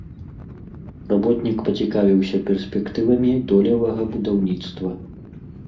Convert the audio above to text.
Работнік пацікавіўся перспектывамі долевага будаўніцтва.